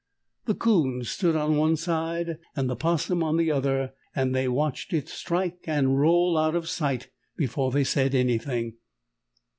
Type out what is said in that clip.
The 'Coon stood on one side and the 'Possum on the other, and they watched it strike and roll out of sight before they said anything.